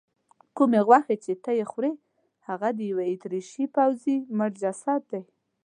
کومې غوښې چې ته یې خورې هغه د یوه اتریشي پوځي مړ جسد دی.